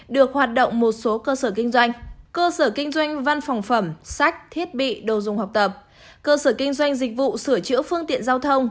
được hoạt động một số cơ sở kinh doanh cơ sở kinh doanh văn phòng phẩm sách thiết bị đồ dùng học tập cơ sở kinh doanh dịch vụ sửa chữa phương tiện giao thông